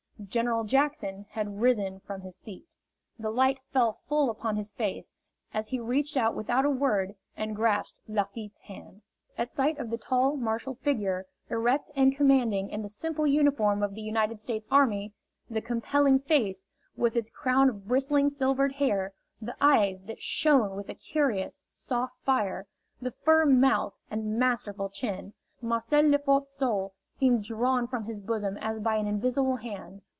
General Jackson had risen from his seat. The light fell full upon his face as he reached out without a word and grasped Lafitte's hand. At sight of the tall, martial figure, erect and commanding in the simple uniform of the United States army, the compelling face, with its crown of bristling silvered hair, the eyes that shone with a curious, soft fire, the firm mouth and masterful chin, Marcel Lefort's soul seemed drawn from his bosom as by an invisible hand.